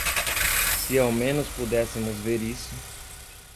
Se ao menos pudéssemos ver isso.